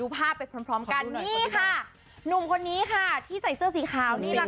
ภาพไปพร้อมพร้อมกันนี่ค่ะหนุ่มคนนี้ค่ะที่ใส่เสื้อสีขาวนี่แหละค่ะ